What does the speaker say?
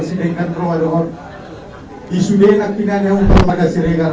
isudie nangkinani upar mada sirega